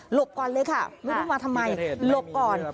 บก่อนเลยค่ะไม่รู้มาทำไมหลบก่อน